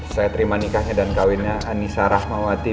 saya terima nikahnya dan kawinnya anissa rahmawati